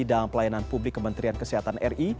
dan pelayanan publik kementerian kesehatan ri